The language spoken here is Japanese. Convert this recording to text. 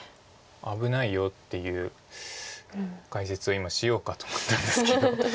危ないよっていう解説を今しようかと思ったんですけど。